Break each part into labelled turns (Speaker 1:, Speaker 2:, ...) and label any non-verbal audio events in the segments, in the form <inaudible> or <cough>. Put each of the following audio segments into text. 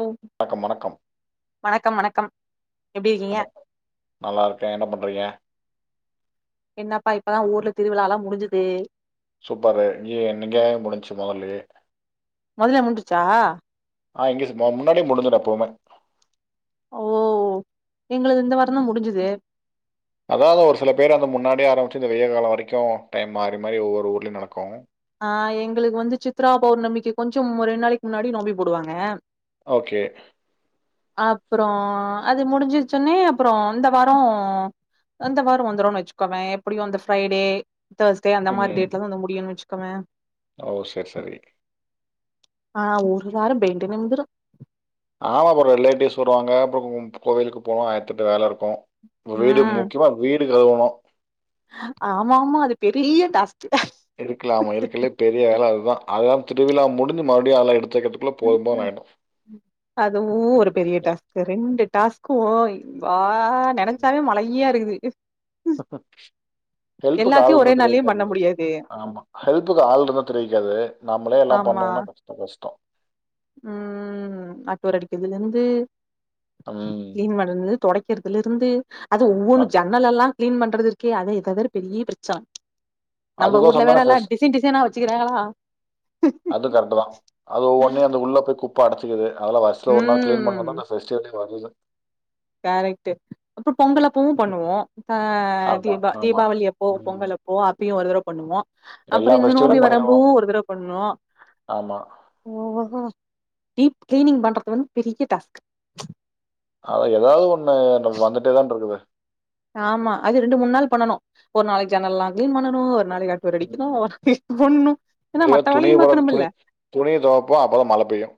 Speaker 1: ஓ
Speaker 2: வணக்கம் வணக்கம்
Speaker 1: வணக்கம் வணக்கம் எப்டி இருக்கீங்க
Speaker 2: என்ன நல்லா இருக்கே என்ன பண்றீங்க
Speaker 1: என்னப்பா இப்பதா ஊர்ல திருவிழால்லா முடிஞ்சது
Speaker 2: சூப்பரு இய என்னங்கே முடிச்சு மொதல்யே
Speaker 1: மொதல்ல முடிஞ்சுச்சா
Speaker 2: ஆ இங்க சிம் முன்னாடியே முடிஞ்சிடு எப்போமே
Speaker 1: ஓ எங்களுக்கு இந்த வாரோதா முடிஞ்சது
Speaker 2: அதாவது ஒரு சில பேர் அந்த முன்னாடியே ஆரம்பிச்சி இந்த வெய்யகாலோ வரைக்கு டைம் மாறி மாறி ஒவ்வொரு ஊர்லயு நடக்கு
Speaker 1: ஆ எங்களுக்கு வந்து சித்ரா பௌர்ணம்பிக்கு கொஞ்சம் ரெண்டு நாளைக்கு முன்னாடி நோபி போடுவாங்க
Speaker 2: ஓகே
Speaker 1: அப்புறோ அது முடிஞ்சிருச்சுன்னே அப்புறோ இந்த வாரோ இந்த வாரோ வந்துரன்னு வச்சுக்கோவே எப்பிடியு அந்த ஃபிரைடே தேர்ஸ்டே அந்த மாரி
Speaker 2: ம்.
Speaker 1: டேட்லதா முடியுன் வச் க்கமே
Speaker 2: ஓ சரி சரி
Speaker 1: ஆ ஒரு வரோ பெண்டு நிமிந்துரு
Speaker 2: ஆமா அப்புறோ ரிலேட்டிவ்ஸ் வருவாங்க அப்புறோ கோவிலுக்கு போவ ஆயிரத்தி எட்டு வேல இருக்கு வீடு
Speaker 1: ம்
Speaker 2: முக்கியமா வீ ட்டுகழுவுணு
Speaker 1: ஆமா ஆமா அது பெரிய டாஸ்க்
Speaker 2: இருக்லாம் இருக்ல்லியே பெரிய வேல அதா அதா திருவிழா முடிஞ்சி மருடி ஆள எடுத்
Speaker 1: ம் அ அதுவு ஒரு பெரிய டாஸ்க் ரெண்டு டாஸ்க் ஓ ஆ
Speaker 2: ம்.
Speaker 1: நெனச்சாவே மழையா இருக்குது
Speaker 2: ஹெல்ப்புக்கு ஆள்
Speaker 1: எல்லாத்தையு
Speaker 2: இருந்த
Speaker 1: ஒரே நாள்லயு பண்ண
Speaker 2: தெரிவிக்கால்லய்
Speaker 1: முடியாது
Speaker 2: ஆமா ஹெல்ப்புக்கு ஆளுள் இருந்த தெரிவிக்காது நம்பளே எல்லா
Speaker 1: ஆமா
Speaker 2: பண்ணோம்னா கஷ்ட கஷ்டோ
Speaker 1: ம் அக்வர் அடிக்குதுல இந்து
Speaker 2: உம்
Speaker 1: தொடக்குறதுல இருந்து அது ஒவ்வொன்னு ஜன்னலெல்லா கீளீன் பண்றது இருக்கே அது இதவிட பெரிய பிரச்சான
Speaker 2: அதுக்கோ சொன்ன பேஸ்
Speaker 1: வச்சுக்கிறாங்களா
Speaker 2: அது கரெட்டு தா அது ஒவ்வன்னு அந்த உள்ள போய் குப்ப அடச்சுகிது அதெல்ல வர்ஷத்ல ஒரு நாள் கீளீன் பண்ண தான ஃபெஸ்டிவல்லே வருது <inaudible>
Speaker 1: கரக்ட்டு அப்ப பொங்கலப்பவு பண்ணுவோ அ
Speaker 2: ஆமா,
Speaker 1: தீபா
Speaker 2: ஆமா.
Speaker 1: தீபாவளியப்போ
Speaker 2: ம்.
Speaker 1: பொங்கல்லப்போ அப் அப்பயு ஒரு தடவ பண்ணுவோ
Speaker 2: எல்லா
Speaker 1: அப்புற இந்த நோபி
Speaker 2: ஃபெஸ்டிவலும்
Speaker 1: வரம்போ
Speaker 2: பண்ணிருவோம்.
Speaker 1: ஒரு தடவ பண்ணுவோ
Speaker 2: ஆமா.
Speaker 1: ஓ ஓ ஹோ டீப் கிளீனிங் பண்றது வந் பெரிய டாஸ்க்கு
Speaker 2: அத ஏதாவது ஒன்னு வந்துட்டே தான் இருக்குது
Speaker 1: ஆமா அது ரெண்டு மூனு நாள் பண்ணனு ஒரு நாளைக்கு ஜனல்லா கிளீன் பண்ணனு ஒரு நாளைக் ஏன்னா
Speaker 2: உ
Speaker 1: மத்த
Speaker 2: துணி
Speaker 1: வேலையும்
Speaker 2: போற துணி
Speaker 1: பாக்கணும்ல்ல.
Speaker 2: துணிய துவப்போ அப்பதா மழ பெய்யு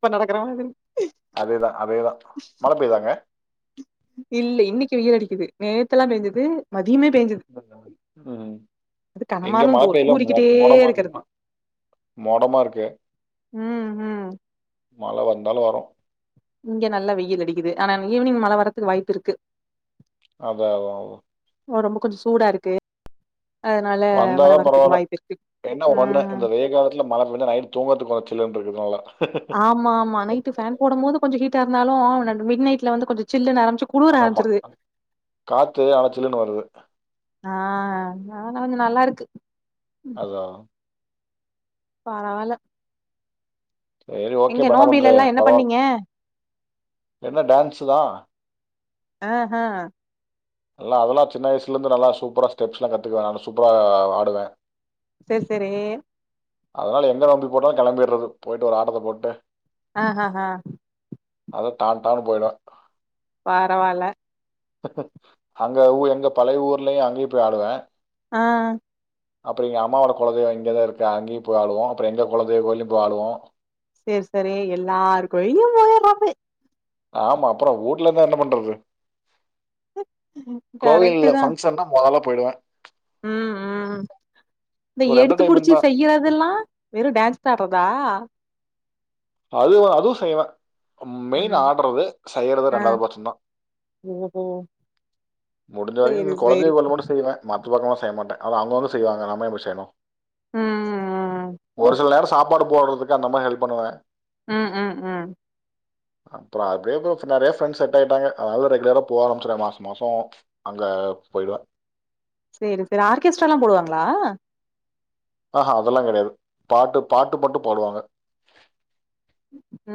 Speaker 1: இப்ப நடக்குற மாரி
Speaker 2: அதேதா அதேதா மழ பெய்தாங்க
Speaker 1: இல்ல இன்னைக்கி வெயில் அடிக்குது நேத்தெலா பேஞ்சது மது
Speaker 2: உம்
Speaker 1: அது
Speaker 2: எங்க
Speaker 1: கனமாலும்
Speaker 2: மழ
Speaker 1: தூ
Speaker 2: பெயில
Speaker 1: தூறிக்கிட்டே
Speaker 2: மோடமா
Speaker 1: இருக்கிறது.
Speaker 2: இருக்குமா மோடமா இருக்கு
Speaker 1: ம், ம்.
Speaker 2: மழ வந்தாலு வரு
Speaker 1: இங்க நல்லா வெயில் அடிக்குது ஆனா ஈவினிங் மழ வர்றத்க்கு வாய்ப்பு இருக்கு
Speaker 2: அத அத அத
Speaker 1: ஒடம்பு கொஞ்ச சூடா இருக்கு அதனால மழ
Speaker 2: வந்தாதா
Speaker 1: வரத்துக்கு
Speaker 2: பரவல்ல
Speaker 1: வாய்ப்பு இருக்கு.
Speaker 2: என்ன ஒன்னு
Speaker 1: ம்.
Speaker 2: இந்த வெயில் காலத்ல மழ பெஞ்ச நைட்டு தூங்கர்த் வாச் சில்லுன்னு இருக்கறனால
Speaker 1: ஆமா ஆமா நைட்டு ஃபேன் போடும் போது கொஞ்ச ஹீட் கீட்டா இருந்துலு ஒனது மீட் நைட்ல வந்து கொஞ்ச சில்லுனு நரம்
Speaker 2: ஆமா காத்து ஆனா சில்லுன்னு வருது
Speaker 1: ஆ ஆன கொஞ்ச நல்லா இருக்கு
Speaker 2: அதா
Speaker 1: பரவால
Speaker 2: சரி ஓகே ப என்ன பண்ற
Speaker 1: எல்லா என்ன
Speaker 2: பரவாயில்
Speaker 1: பண்ணீங்க
Speaker 2: என்ன டான்ஸு தா
Speaker 1: ஆ ஆ
Speaker 2: எல்லா அதெல்லா சின்ன வயசுல இருந்து நல்லா சூப்பரா ஸ்டெப்ஸ்லா கத்துக்குவே நல்லா சூப்பரா ஆடுவே
Speaker 1: சேர் சேரி
Speaker 2: அதனால எங்க நோம்பி போட்டாலு கிளம்பிடுறது போயிட்டு ஒரு ஆட்டத்த போட்டு
Speaker 1: ஆ ஆ ஆ
Speaker 2: அதா டான்டானு போயிடு
Speaker 1: பரவல்ல
Speaker 2: அங்க ஊ எங்க பழைய ஊர்லயு அங்கயு போய் ஆடுவே
Speaker 1: ஆ
Speaker 2: அப்புறோ எங்க அம்மாவோட குலதெய்வ இங்கதா இருக்கு அங்கயு போய் ஆடுவோ அப்புறோ எங்க குலதெய்வ கோயிலையு போய் ஆவோ
Speaker 1: சேரி சேரி எல்லாரு கோயிலையு போய்ராது
Speaker 2: ஆமா அப்புறம் வூட்ல இருந்தா என்ன பண்றது
Speaker 1: கரெக்ட்டு
Speaker 2: கோவில்ல
Speaker 1: தா
Speaker 2: பங்க்ஷன்ன முதல்ல போய்டுவா
Speaker 1: ம் ம் இந்த
Speaker 2: ஒரு
Speaker 1: எடுத்து
Speaker 2: என்டர்டைன்மெண்ட்
Speaker 1: புடிச்சு
Speaker 2: தான்
Speaker 1: செய்யறதல்லா வெறு டான்ஸ் காகவா
Speaker 2: அது அதுவு செய்வே மெயின்
Speaker 1: ம்
Speaker 2: ஆடுறது செய்யறது
Speaker 1: ஆ
Speaker 2: ரெண்டாவது பட்சம் தா
Speaker 1: ஓஹோ
Speaker 2: முடிஞ்ச வரைக்கு
Speaker 1: சேரி
Speaker 2: இந்த குல
Speaker 1: சேரி
Speaker 2: தெய்வ கோயிலுக்கு மட்டு செய்வே மத் இது பக்கமா செய்ய மாட்ட அத அவங்கவங்க செய்வாங்க நம்ப ஏ போய் செய்யணு
Speaker 1: ம் ம்
Speaker 2: ஒரு சில நேர சாப்படு போறதுக் அந்த மாரி ஹெல்ப் பண்ணுவ
Speaker 1: ம் ம் ம்
Speaker 2: அப்புறோ அப்படியே <unintelligible> நெறைய ஃப்ரெண்ட் செட் ஆயிட்டாங்க அதனதா ரெகுலரா போக ஆரம்பிச்சறே மாச மாசம் அங்க போயிடுவே
Speaker 1: சேரி சேரி ஆர்கெஸ்ட்ரால்லா போடுவாங்களா
Speaker 2: அ ஆ அதெல்லா கெடையாது பாட்டு பாட்டு மட்டு போடுவாங்க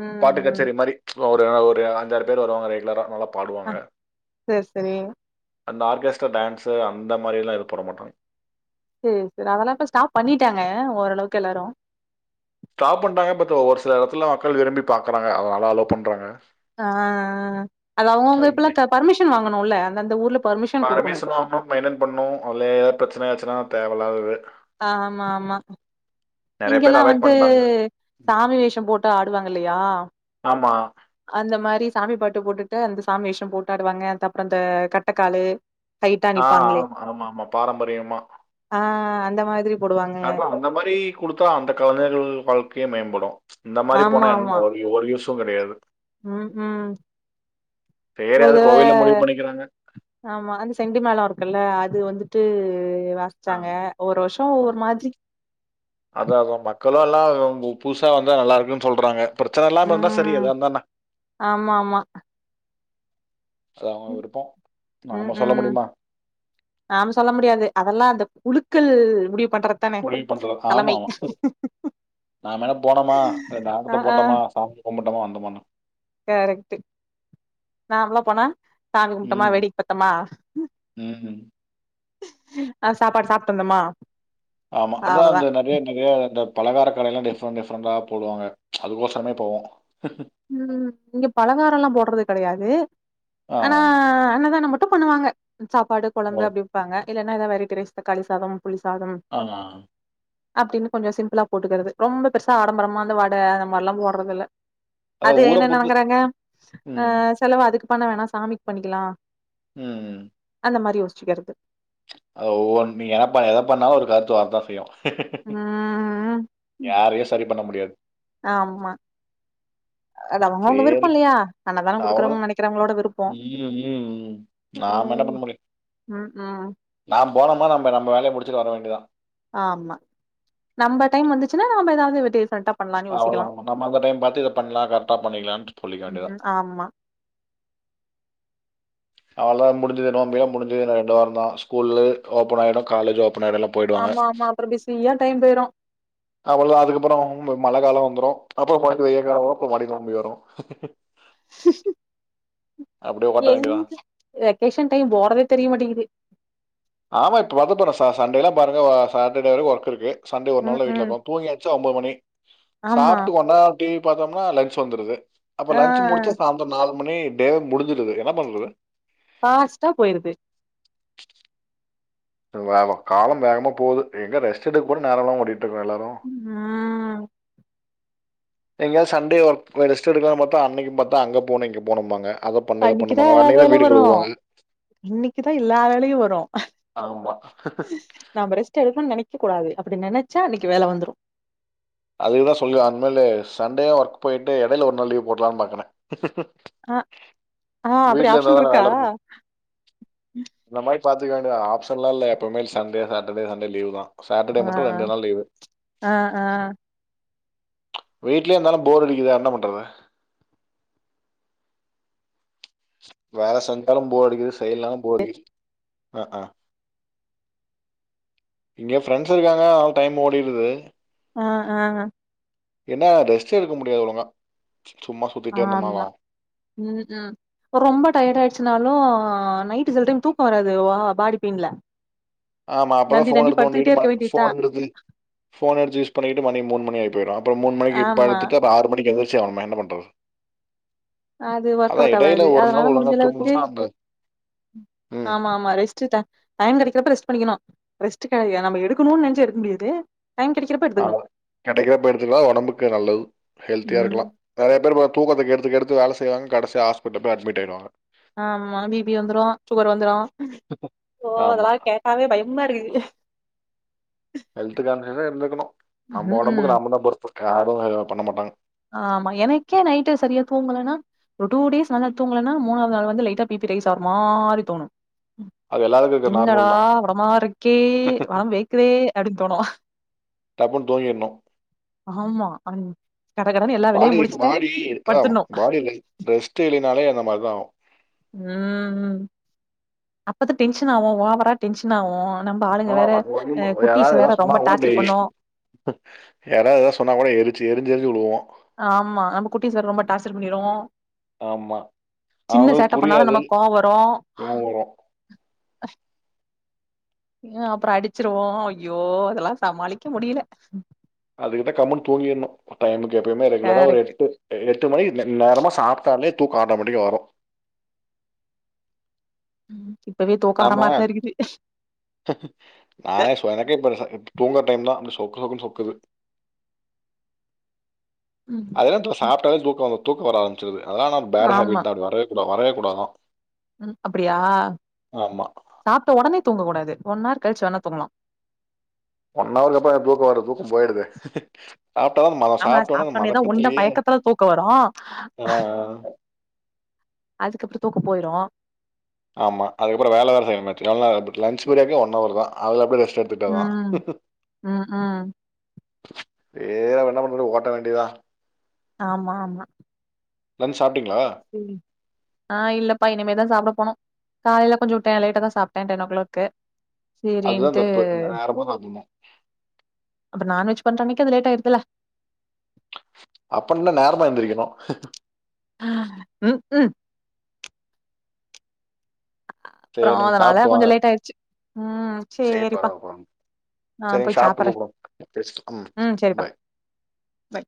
Speaker 1: ம்
Speaker 2: பாட்டு
Speaker 1: ம்
Speaker 2: கச்சேரி மாரி ஒரு ஒரு அஞ்சு ஆறு பேர் வருவாங்க ரெகுலர நல்ல
Speaker 1: அ சேர் சேரி
Speaker 2: அந்த ஆர்கெஸ்ட்ரா டான்ஸு அந்த மாரியிலா எது பண்ண மாட்டாங்க
Speaker 1: சேர் சேரி அதெல்லா இப்ப ஸ்டாப் பண்ணிட்டாங்க ஓரளவுக்கு எல்லாரு
Speaker 2: ஸ்டாப் பண்டாங்க பட் சில இடத்துல மக்கள் விரும்பி பாக்குறாங்க அதனால அலோ பண்றாங்க
Speaker 1: ஆ ஆ அது அவங்கவுங்க இப்பல்லா
Speaker 2: அவங்க
Speaker 1: த பர்மிஷன் வாங்கணுல்ல அந்த அந்த ஊருல
Speaker 2: இப்ப
Speaker 1: பர்மிஷன் கொடுக்கணு
Speaker 2: அரமேசனும் அம்மாவும் தேவயில்லாதது
Speaker 1: ஆமா ஆமா
Speaker 2: நிறைய பேர்
Speaker 1: இங்கெல்லா
Speaker 2: அவாய்ட்
Speaker 1: வந்து
Speaker 2: பண்ணிட்டாங்க ம்.
Speaker 1: சாமி வேஷம் போட் டு ஆடுவாங்க இல்லையா
Speaker 2: ஆமா
Speaker 1: அந்த மாரி சாமி பாட்டு போட்டுட்டு அந்த சாமி வேஷம் போட்டு ஆடுவாங்க அது அப்றந்த கட்டக்காலு ஹைட்டா
Speaker 2: ஆ
Speaker 1: நிப்பாங்களே
Speaker 2: ஆமாமா பாரம்பரியமா
Speaker 1: ந்த மாதிரி போடுவாங்க
Speaker 2: அப்பொ அந்த மாரி குடுத் தா அந்த கலைஞர்கள் வாழ்க்கையு மேம்படு இந்த மாரி
Speaker 1: ஆமா
Speaker 2: போனா என்
Speaker 1: ஆமா
Speaker 2: ஒரு ஒரு யூ ஸுங் கடயாது
Speaker 1: ம் ம்
Speaker 2: சரி
Speaker 1: ஒரு‌
Speaker 2: அது
Speaker 1: தடவ
Speaker 2: கோவையில முடிவு பண்ணிக்கிறாங்க
Speaker 1: ஆமா அந்த செண்டி மேளொ இருக்குல்ல அது வந்து ட்டு
Speaker 2: ஆ,
Speaker 1: வாசிச்சாங்க
Speaker 2: ஆ.
Speaker 1: ஒரு வருஷோ ஒவ்வொரு மாதிரி
Speaker 2: க்கலா இல்னா புதுசா வந்தா நல்லாருக்குன் சொல்றாங்க பிரச்சன இல்லாம இருந்தா செரி
Speaker 1: ம்
Speaker 2: எதா இருந்தா என்ன
Speaker 1: ஆமா ஆமா ம்
Speaker 2: நாம சொல்ல
Speaker 1: ம்
Speaker 2: முடியுமா
Speaker 1: நாம சொல்ல முடியாது அதெல்லா அந்த உழுக்கல் முடிய
Speaker 2: முடிவு பண்ற ஆமாமா நாமென போனோமா ரெண்டு
Speaker 1: ஆ
Speaker 2: ஆட்டத்த போட்டோமா சாமி கும்புட்டமா வந்தமான்
Speaker 1: கரெக்ட்டு நாமளா‌ போனா சாமி கும்ட்டமா
Speaker 2: ம்
Speaker 1: வேடிக் பாத்தமா
Speaker 2: ம்.
Speaker 1: அ சாப்பாடு சாப்டு வந்தமா
Speaker 2: ஆமா அதா அந்த நறைய நறையா அந்த பலகார கடைலா டிஃப்ரெண்ட் டிஃப்ரெண்டா போடுவாங்க அதுக்கொசரமே போவோ
Speaker 1: ம் இங்க பலகாரல்லா போட் றது கடையாது
Speaker 2: ஆ.
Speaker 1: ஆனா அன்னதான மட் டு‌ பண்ணுவாங்க சாப்பாடு
Speaker 2: ஓ!
Speaker 1: கொழம்பு அப்டி விப்பாங்க இல்லனா எதா வெரைட்டி ரைஸ் தக்காளி சாதம் புளி சாதம்
Speaker 2: ஆ.
Speaker 1: அப்டின்னு கொஞ்சொ சிம்பிளா போட்டுக்கிறது ரொம்ப பெருசா ஆடம்பரமா அந்த வட அந்த மார்லா போட்றதில்ல அது
Speaker 2: அதான் ஊர
Speaker 1: என்ன
Speaker 2: பொறுத்து
Speaker 1: நெனங்குறாங்க அ
Speaker 2: ம்.
Speaker 1: செலவு அதுக்கு பண்ண வேணா சாமிக்கு பண்ணிக்கலா
Speaker 2: ம்
Speaker 1: இந்த மாரி யோச்சிக்கிறது
Speaker 2: ஓ நீ என்ன பண்ண எத பண்ண ஒரு கருத்து வரதா செய்யு
Speaker 1: ம்
Speaker 2: யாரையும் சரி பண்ண முடியாது.
Speaker 1: ஆமா அத அவங்க அவங்க
Speaker 2: சரி.
Speaker 1: விருப்பம் இல்லையா அண்ணதானோ
Speaker 2: அவ்வளோதான்.
Speaker 1: குடுக்குறவங்கு நெனைக்கிறவங்களோட விருப்போ
Speaker 2: ம், ம், ம். நாம என்ன பண்ண முடியும்?
Speaker 1: ம் ம் ம்
Speaker 2: நாம் போனோமா நம்ம நம்ம வேலைய முடிச்சிட்டு வர வேண்டியதா
Speaker 1: ஆமா நம்ம டைம் வந்துச்சுன்னா நாம எதாவது டிசிசண்டா
Speaker 2: அவளதா நம்ம அந்த டைம் பாத்து இத பண்ணலா கரெக்டா பண்ணிக்கலா சொல்லிக்க வேண்டியதா
Speaker 1: ம் ஆமா
Speaker 2: அவள முடிஞ் து நோம்பி எல்லா முடிஞ்சி ரெண்டு வாரோ பா ஸ்கூல் ஓப்பன் ஆயிடும் காலேஜ் ஓப் இப்பன் நெடுல்லா போயிடுவாங்க
Speaker 1: ஆமா ஆமா அப்புறோ பிஸியா டைம் போயிரு
Speaker 2: அவளதா அதுக்கப்புறோ மழ காலோ வ அப்புறோ அப்புறோ பாட்டு வெய்ய வரு அப்ப மாரி நோம்பி வரு ஓட்ட
Speaker 1: <inaudible> எங்
Speaker 2: வேண்டியதான்
Speaker 1: வெக்கேஷன் டைம் போறதே தெரிய மாட்டேங்கிது
Speaker 2: ஆமா இப்ப பத்தப ச ச சண்டேல்லா பாருங்க சாட்டர்டே வரைக்கு ஒர்க் இருக்கு சண்டே ஒரு
Speaker 1: ம்
Speaker 2: நாள்ல வீட்ல
Speaker 1: ம்
Speaker 2: இருக்கோ தூங்கியாச்ச ஒன்ம்பது மணி
Speaker 1: ஆமா
Speaker 2: சாப்பிட்டு கொண்டா டிவி பாத்தம்னா லன்ச் வந்துருது அப்ப
Speaker 1: ஆ
Speaker 2: லஞச் முடிச்ச சாயந்தம் நாலு மணி டே முடிஞ்சிருது என்ன பண்றது
Speaker 1: பாஸ்ட்டா போயிருது
Speaker 2: ட்டுங்லாலம் காலம் வேகமா போது எங்க ரெஸ்ட் எடு கூட நேரோ இல்லாம ஓடி ட்டுக்க எல்லாரு
Speaker 1: ம்
Speaker 2: எங்கியாது சண்டே ஒர்க் ரெஸ்ட் எடுக்கனு பாத்தா அன்னிக்கு பாத்தா அங்க போனு இங்க போனும்பாங்க
Speaker 1: அன்னிக்குதா எதா வேல வரு இன்னிக்குதா எல்லா வேலையு வரு
Speaker 2: ஆமாம்
Speaker 1: நாம்ப ரெஸ்ட் எடுப்பன் நெனைக்க கூடாது அப்பிடி நெனச்சா அன்னிக்கு வேல வந்துரு
Speaker 2: அதுக்குதா சொல்லு அன மேல சண்டே ஒர்க் போயிட்டு இடையில ஒரு நாள் லீவ் போடலானு பாக்குறே
Speaker 1: அ ஆ அப்பிடி ஆப்ஷன்
Speaker 2: தானே
Speaker 1: இருக்கா
Speaker 2: வேலை இருக்கும் இந்த மாதிரி பாத்துக்க வேண்ட ஆப்ஷன்லா இல்ல எப்பவுமே சண்டே சட்டர்டே சண்டே லீவ்தா சேட்டர்டே
Speaker 1: ஆ
Speaker 2: மட்டு ரெண்டு நாள் லீவு
Speaker 1: ஆ ஆ
Speaker 2: வீட்லயே இருந்தாலு போர் அடிக்குது என்ன பண்றது வேல செஞ்சாலு போர் அடிக்குது செய்யலனாலு போர் அடிக்குது அ ஆ இங்க ஃப்ரெண்ட்ஸ் இருக்காங்க அவ டைம் ஓடிடுது
Speaker 1: ஆ ஆ
Speaker 2: என்ன ரெஸ்ட் எடுக்க முடியாது ஒழுங்கா சும்மா
Speaker 1: ஆ
Speaker 2: சுத்திட்டே
Speaker 1: ஆமா
Speaker 2: இருந்தோம்னாலும்
Speaker 1: உ உ ரொம்ப டயட் ஆயிடுச்சுனாலு நைட்டு சில டைம் தூக்க வராது பாடி பெயின்ல
Speaker 2: ஆமா அப்பதா
Speaker 1: நந்தி
Speaker 2: ஃபோன்
Speaker 1: நந்தி படுத்துக்கிட்டே
Speaker 2: எடுத்துண்டிட்டு ம
Speaker 1: இருக்க வேண்டியதா
Speaker 2: ஃபோன எடுன் ஃபோன் எடுத்து யூஸ் பண்ணிட்டு மனிப் மூணு மணியாய் போய்டு அப்றோ மூனு மணிக்கு
Speaker 1: ஆமா
Speaker 2: படுத்துட்டு அப்ப ஆறு மணக்கு எந்தி சோமே என்ன பண்றது
Speaker 1: அது ஒர்க்
Speaker 2: அதான்
Speaker 1: அவுட்
Speaker 2: இடையில
Speaker 1: ஆவாது
Speaker 2: ஒரு
Speaker 1: அதனால
Speaker 2: நாள் ஒழுங்கா
Speaker 1: முடிஞ்ச அளவுக்கு
Speaker 2: தூங்கணும்னா அந்த ம்
Speaker 1: ஆமா மா ரெஸ்டு டா டையோ கடைக்கறப்ப பண்ணிக்கணு ரெஸ்ட் கிடையா நம்ம எடுக்கனும்னு நினைச்ச எடுக்க முடியாது டைம் கெடைக்கிறப்ப
Speaker 2: ஆ
Speaker 1: எடுத்துக்கணு
Speaker 2: கிடைக்கிறப்ப எடுத்துக்கா ஒடம்புக்கு நல்லது ஹெல்த்தியா இருக்கலா
Speaker 1: ம்
Speaker 2: நிறைய பேரு பா தூக்கத்த கெடு டுத்து வேலை செய்வாங்க கடைசியா ஹாஸ்பிடல் போய் அட்மி்ட் ஆய்டுவங்க
Speaker 1: ஆமா பிபி வந்துரு சுகர் வந்துரு சோ
Speaker 2: ஆமா.
Speaker 1: அதெல்லா கேட்டாவே பய <unintelligible> இருக்குது
Speaker 2: ஹெல்த் காண்டனா இருந்துக்கணு நம்ம
Speaker 1: ம்
Speaker 2: ஒடம்புக்கு
Speaker 1: ம்
Speaker 2: நாம தா பொருப்பு காரு <unintelligible> பண்ண மாட்டாங்க
Speaker 1: ஆமா எனக்கே நைடு சரியா தூங்கலனா ஒரு டூ டேஸ் நல்லா தூங்கலனா மூணாவது நாள் வந்து லைட்டா பிபி ரைஸ் ஆற மாறி தோணு
Speaker 2: அது எல்லாருக்கும் இருக்கிற
Speaker 1: என்னடா
Speaker 2: நார்மல் தான்.
Speaker 1: உடமா இருக்கே வடம் வேக்குதே அப்படின்னு தோணோ
Speaker 2: டப்புன்னு தூங்கிடணும்.
Speaker 1: ஆமா அன்
Speaker 2: பாடி பாடி அத பாடி ரெஸ்ட் இல்லன்னாலே அந்த மாரிதா ஆகு
Speaker 1: ம் அப்பதா டென்ஷன் ஆவு ஓவரா டென்ஷன் ஆவு நம்ம ஆளுங்க
Speaker 2: ஆமா
Speaker 1: வேற அ குட்டீஸ்
Speaker 2: யாராவது
Speaker 1: வேற
Speaker 2: யதாவ்து
Speaker 1: ரொம்ப
Speaker 2: சொன்னாகூட இப்டே
Speaker 1: டார்ச்சர் பண்ணு
Speaker 2: யாராவது எதா சொன்னா கூட எரிச்சு எரி்ஞ்சு எரிஞ்சு விழுவோ
Speaker 1: ஆமா நம்ம குட்டி சார் ரொம்ப டார்சர் பண்ணிரு
Speaker 2: ஆமா.
Speaker 1: சின்ன
Speaker 2: அவங்களுக்கு
Speaker 1: சேட்ட பண்ணாலு
Speaker 2: புரியாது
Speaker 1: நமக் கோபரோ
Speaker 2: கோவம் வரும்.
Speaker 1: அ ஏ அப்றோ அடிச்சிருவோ ஐயோ அதெல்லா சமாளிக்க முடியல
Speaker 2: அதுக்குதா கம்மினு தூங்கிரணு டைமுக்கு எப்பயுமே ரெகுலரா ஒரு
Speaker 1: கரெக்ட்
Speaker 2: எட்டு எட் எட்டு மணிக் தன்நேரமா சாப்ட்டாலே தூக்கோ ஆட்டோமெடிக்கா வரு
Speaker 1: உம் இப்பவே தூக்காற
Speaker 2: நாம
Speaker 1: மாரிதா இருக்குது
Speaker 2: நானே சொன்னேன் ப்ப போங்கற டைம் தான் அ சொக்கு சொக்குன்னு சொக்குது
Speaker 1: ம்
Speaker 2: அது தான் சாப்பிட்டாவே தூக்கம் வருது தூக்க வரம்பிச்சிருது அதனால ஒரு பேட் ஹபிட் தான் வருது வரையக் கூடாதான்
Speaker 1: உம் அப்படியா
Speaker 2: ஆமா
Speaker 1: சாப்பிட்ட உடனே தூங்கக்கூடாது ஒன்னார் கழிச்சு வேணா தூங்கலாம்
Speaker 2: ஒன் ஹவருக்கு அப்பறம் தூக்கம் வரது தூக்கம் போயிடுது சாப்பிட்டா தான் மதம்
Speaker 1: ஆமா
Speaker 2: சாப்பிட்டோன்னே அந்த
Speaker 1: சாப்பிட்டானேதான் உண்ட
Speaker 2: மதக்கத்துலயே
Speaker 1: மயக்கத்துல தூக்கம் வரும்
Speaker 2: ஆஹ்,
Speaker 1: அதுக்கப்புறம் தூக்கம் போயிரும்
Speaker 2: ஆமா அதுக்கப்புறம் வேலை செய்யணும் லன்சு பிரேக்கே ஒன் ஹவர் தான் அது அடி
Speaker 1: உஹம் உஹம் உஹம்
Speaker 2: வேற வேன்னா பண்ணுறது ஓட்ட வேண்டியதான்
Speaker 1: ஆமா ஆமா
Speaker 2: நம்
Speaker 1: ச ஆஹ் இல்லப்பா இனிமேதான் சாப்பிட போனோம் காலையில கொஞ்சம் விட்டேன் லைட்டா தான் சாப்பிட்டேன் டென் ஓ கிளாக்
Speaker 2: அதுதான்
Speaker 1: செரின்ட்டு
Speaker 2: தப்பு நேரமா சாப்பிடணும்
Speaker 1: அப்பற நான்வெஜ் சமைக்குறது அது லேட் ஆயிருதுல
Speaker 2: அப்ப என்ன நேரமா எழுந்திரக்கணும்
Speaker 1: ஹ உம் உம்
Speaker 2: சரி
Speaker 1: அப்புறம்
Speaker 2: நீங்க
Speaker 1: அதனால
Speaker 2: சாப்ட்டு வாங்க
Speaker 1: கொஞ்சம் லேட் ஆயிருச்சு உம்
Speaker 2: சரி
Speaker 1: சரிப்பா
Speaker 2: பரவா பரவா சரி
Speaker 1: நான்
Speaker 2: நீங்க
Speaker 1: போய்
Speaker 2: சாப்ட்டு
Speaker 1: சாப்பறேன்
Speaker 2: கூப்புடுங்க ம்
Speaker 1: உம்
Speaker 2: பாய்
Speaker 1: சரிப்பா ப